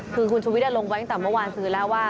คือคุณชุวิตลงไว้ตั้งแต่เมื่อวานซื้อแล้วว่า